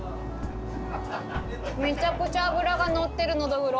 めちゃくちゃ脂がのってるのどぐろ！